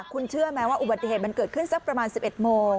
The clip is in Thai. คุณเชื่อไหมว่าอุบัติเหตุมันเกิดขึ้นสักประมาณ๑๑โมง